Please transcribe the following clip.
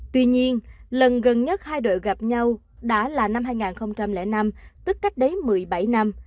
tuy nhiên lần gần nhất hai đội gặp nhau đã là năm hai nghìn năm tức cách đấy một mươi bảy năm